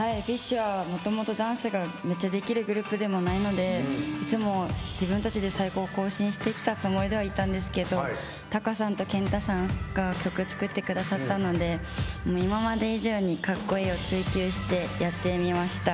ＢｉＳＨはもともとダンスがめっちゃできるグループでもないのでいつも自分たちで最高を更新してきたつもりではいたんですけどＴａｋａさんとＫＥＮＴＡさんが曲作ってくださったので今まで以上にかっこいいを追求してやってみました。